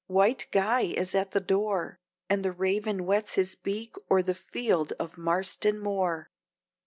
White Guy is at the door, And the raven whets his beak o'er the field of Marston Moor.